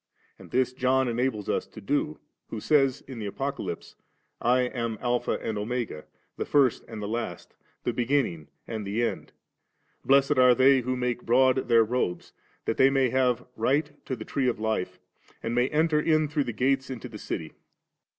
And this John enables us to do^ who says in the Apocalypse, *I am Alpha and Omega, the first and the last, the banning and the end Blessed are they who make broad their robes, that they may have right to the tree of life, and may enter in through the gates into ^e dty.